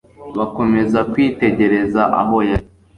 bakomeza kwitegereza aho yari